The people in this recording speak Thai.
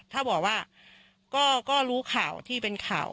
ถ้าบอกว่าก็รู้ข่าวที่เป็นข่าว